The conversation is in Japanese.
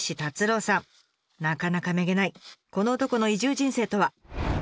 なかなかめげないこの男の移住人生とは。